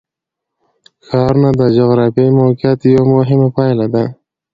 ښارونه د جغرافیایي موقیعت یوه مهمه پایله ده.